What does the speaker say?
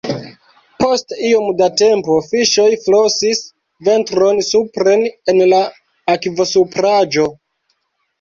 Post iom da tempo fiŝoj flosis ventron supren en la akvosupraĵo.